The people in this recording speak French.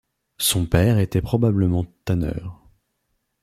Son père était probablement tanneur.